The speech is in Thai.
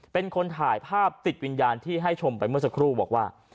เป็นคนถ่ายภาพติดวิญญาณที่ให้ชมไปเมื่อสักครู่บอกว่า